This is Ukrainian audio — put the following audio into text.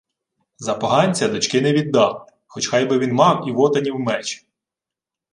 — За поганця дочки не віддам, хоч хай би він мав і Вотанів меч.